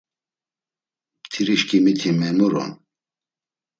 Mtirişǩimiti memur’on.